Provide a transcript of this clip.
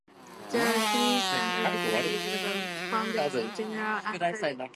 There are three Standard Grade Levels: Foundation, General and Credit.